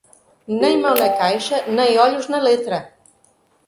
Nem mão na caixa, nem olhos na letra.